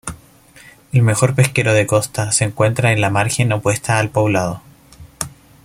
El mejor pesquero de costa se encuentra en la margen opuesta al poblado.